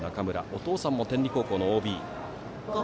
お父さんも天理高校のＯＢ。